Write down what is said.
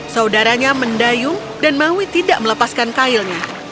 saudaranya mendayung dan maui tidak melepaskan kailnya